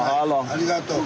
ありがとう。